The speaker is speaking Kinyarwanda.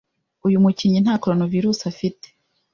uyu mukinnyi nta Coronavirus afite,